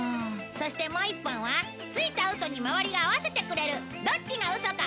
そしてもう一本はついたウソに周りが合わせてくれる「どっちがウソか！